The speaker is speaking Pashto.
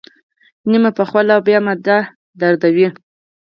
نيم پخه لوبیا معده دردوي.